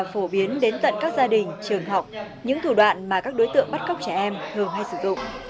phổ biến đến tận các gia đình trường học những thủ đoạn mà các đối tượng bắt cóc trẻ em thường hay sử dụng